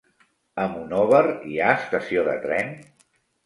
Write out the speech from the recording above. A Monòver hi ha estació de tren?